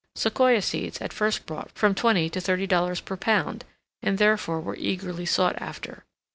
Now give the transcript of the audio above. Sequoia seeds at first brought from twenty to thirty dollars per pound, and therefore were eagerly sought after.